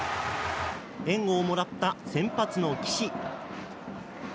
援護をもらった先発の岸。